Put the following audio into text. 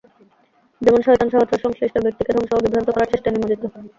যেমন শয়তান সহচর সংশ্লিষ্ট ব্যক্তিকে ধ্বংস ও বিভ্রান্ত করার চেষ্টায় নিয়োজিত।